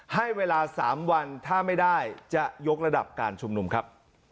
ให้เวลา๓วันถ้าไม่ได้จะยกระดับการชุมนุมครับ